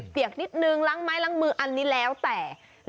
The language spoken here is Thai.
ยกนิดนึงล้างไม้ล้างมืออันนี้แล้วแต่